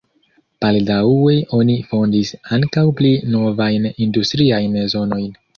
Baldaŭe oni fondis ankaŭ pli novajn industriajn zonojn.